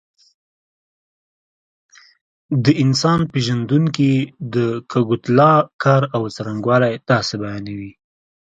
د انسان پېژندونکي د کګوتلا کار او څرنګوالی داسې بیانوي.